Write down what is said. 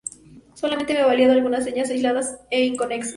Solamente me valía de algunas señas aisladas e inconexas.